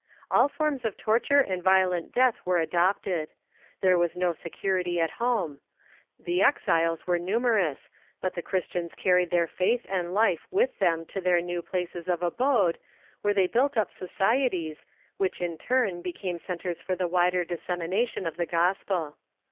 All forms of torture and violent death were adopted. There was no security at home. The exiles were numerous, but the Christians carried their faith and life with them to their new places of abode, where they built up socie ties, which in turn became centres for the Avider dissemination of the gospel.